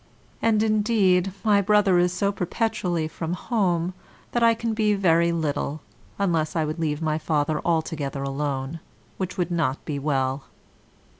And, indeed, my brother is so perpetually from home, that I can be very little, unless I would leave my father altogether alone, which would not be well.